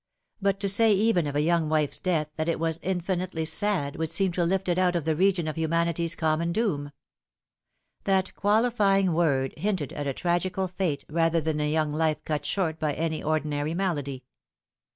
But to say even of a young wife's death that it was infinitely sad would seem to lift it out of the region of humanity's common doom. That qualifying word hinted at a tragical fate rather than a young life cut short by any ordinary malady.